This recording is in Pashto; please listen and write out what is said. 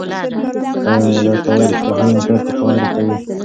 آیا مېله کول رښتیا هم انسان ته تاوان رسوي؟